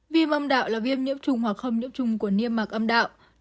viêm mong đạo là viêm nhiễm trùng hoặc không nhiễm trùng của niêm mạc âm đạo